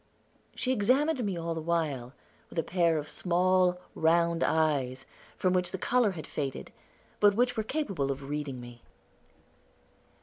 She examined me all the while, with a pair of small, round eyes, from which the color had faded, but which were capable of reading me.